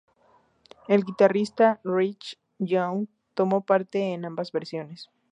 El guitarrista Reggie Young tomó parte en ambas versiones.